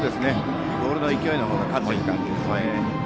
ボールの勢いの方が勝っている感じです。